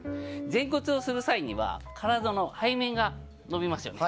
前屈をする際には体の背面が伸びますよね。